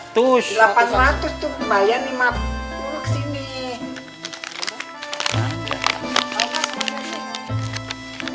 delapan ratus tuh kembalian lima puluh kesini